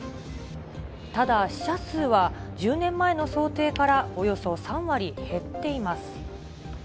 ただ、死者数は１０年前の想定からおよそ３割減っています。